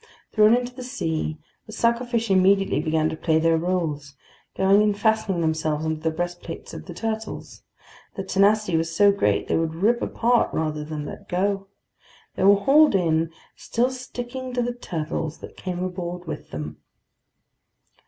Thrown into the sea, the suckerfish immediately began to play their roles, going and fastening themselves onto the breastplates of the turtles. Their tenacity was so great, they would rip apart rather than let go. They were hauled in, still sticking to the turtles that came aboard with them.